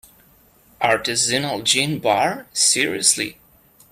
Artisanal gin bar, seriously?!